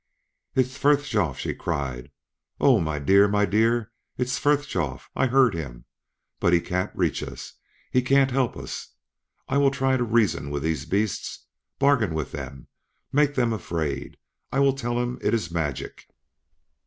"It's Frithjof!" she cried. "Oh, my dear my dear! It's Frithjof! I heard him! But he can't reach us he can't help us! I will try to reason with these beasts bargain with them make them afraid! I will tell them it is magic."